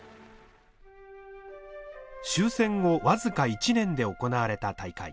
終戦後僅か１年で行われた大会。